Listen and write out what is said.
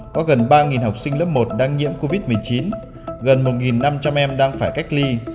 có gần ba học sinh lớp một đang nhiễm covid một mươi chín gần một năm trăm linh em đang phải cách ly